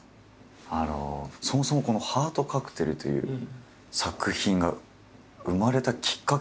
あのそもそも「ハートカクテル」という作品が生まれたきっかけというのは？